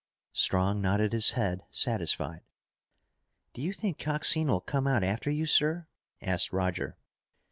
Strong nodded his head, satisfied. "Do you think Coxine will come out after you, sir?" asked Roger.